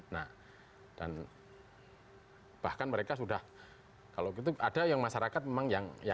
nah dan bahkan mereka sudah kalau gitu ada yang masyarakat memang yang